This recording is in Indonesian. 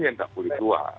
ya tidak boleh keluar